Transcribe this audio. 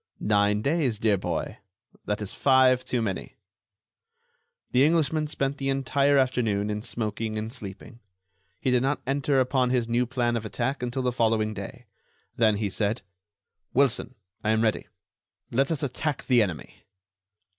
"Nine days, dear boy. That is five too many." The Englishman spent the entire afternoon in smoking and sleeping. He did not enter upon his new plan of attack until the following day. Then he said: "Wilson, I am ready. Let us attack the enemy."